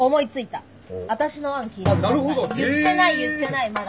言ってない言ってないまだ。